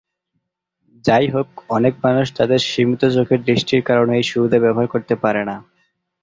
যাইহোক, অনেক মানুষ তাদের সীমিত চোখের দৃষ্টির কারণে এই সুবিধা ব্যবহার করতে পারে না।